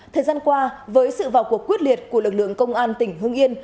thời gian qua với sự vào cuộc quyết liệt của lực lượng công an tỉnh hưng yên